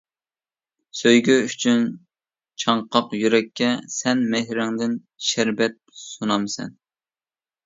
سۆيگۈ ئۈچۈن چاڭقاق يۈرەككە، سەن مېھرىڭدىن شەربەت سۇنامسەن.